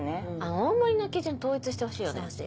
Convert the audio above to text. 大盛りの基準統一してほしいよね。